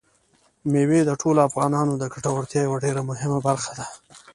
مېوې د ټولو افغانانو د ګټورتیا یوه ډېره مهمه برخه ده.